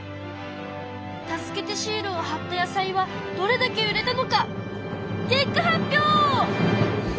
助けてシールをはった野菜はどれだけ売れたのか？